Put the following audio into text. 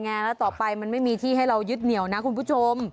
แล้วต่อไปมันไม่มีที่ให้เรายึดเหนียวนะคุณผู้ชม